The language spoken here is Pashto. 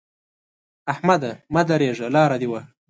احمده! مه درېږه؛ لاره دې وهه.